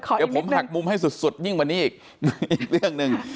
เดี๋ยวผมหักมุมให้สุดยิ่งกว่านี้อีกเรื่องหนึ่ง